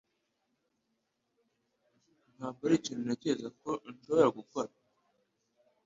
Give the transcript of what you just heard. Ntabwo ari ikintu ntekereza ko nshobora gukora.